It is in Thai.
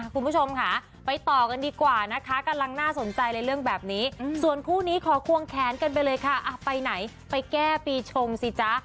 คุณผู้ชมค่ะไปต่อกันดีกว่านะคะกำลังน่าสนใจเลยเรื่องแบบนี้ส่วนคู่นี้ขอควงแขนกันไปเลยค่ะไปไหนไปแก้ปีชงสิจ๊ะ